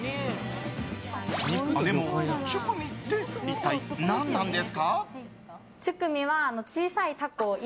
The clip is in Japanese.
でも、チュクミって一体何なんですか？